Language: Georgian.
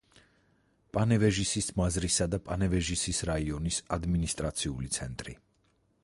პანევეჟისის მაზრისა და პანევეჟისის რაიონის ადმინისტრაციული ცენტრი.